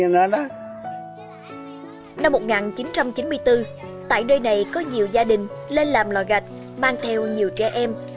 năm một nghìn chín trăm chín mươi bốn tại nơi này có nhiều gia đình lên làm lò gạch mang theo nhiều trẻ em